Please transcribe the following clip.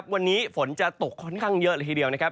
วันนี้ฝนจะตกค่อนข้างเยอะเลยทีเดียวนะครับ